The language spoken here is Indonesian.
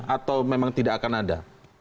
atau memang tidak akan ada